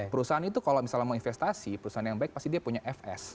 perusahaan itu kalau misalnya mau investasi perusahaan yang baik pasti dia punya fs